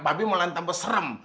babi malah nanti tambah serem